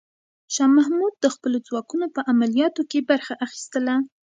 شاه محمود د خپلو ځواکونو په عملیاتو کې برخه اخیستله.